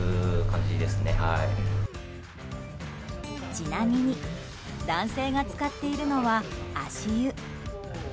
ちなみに男性が浸かっているのは足湯。